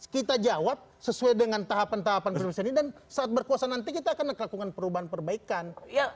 kita jawab sesuai dengan tahapan tahapan proses ini dan saat berkuasa nanti kita akan lakukan perubahan perbaikan